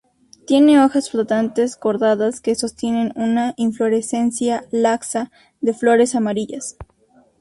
Tiene hojas flotantes cordadas que sostienen una inflorescencia laxa de flores amarillas.